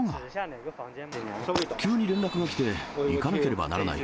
急に連絡が来て、行かなければならない。